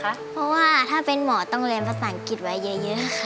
เพราะว่าถ้าเป็นหมอต้องเรียนภาษาอังกฤษไว้เยอะค่ะ